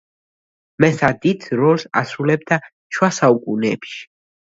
მესა დიდ როლს ასრულებდა შუა საუკუნეებში.